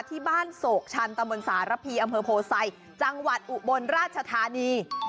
ที่บ้านโศกชันตะมนต์สารพีอำเภอโพไซจังหวัดอุบลราชธานี